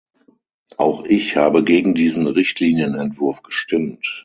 Auch ich habe gegen diesen Richtlinienentwurf gestimmt.